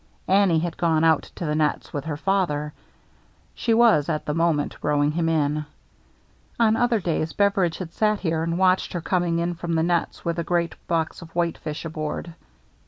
Annie had gone out to the nets with her father. She was, at the moment, rowing him in. On other days Beveridge had sat here and watched her coming in from the nets, with a great box of whitefish aboard.